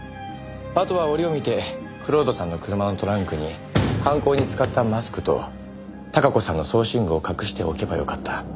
あとは折を見て蔵人さんの車のトランクに犯行に使ったマスクと孝子さんの装身具を隠しておけばよかった。